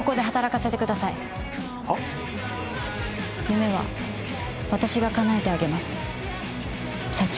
夢は私がかなえてあげます社長。